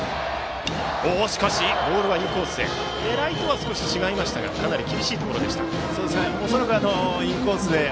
狙いとは少し違いましたがかなり厳しいインコースでした。